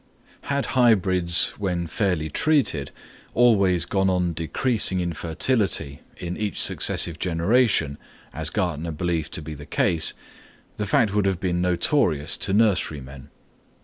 Had hybrids, when fairly treated, always gone on decreasing in fertility in each successive generation, as Gärtner believed to be the case, the fact would have been notorious to nurserymen.